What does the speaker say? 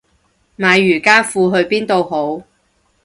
買瑜伽褲去邊度好